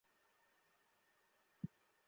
আর দুনিয়া যেন তোমাদের উদাস করে না ফেলে।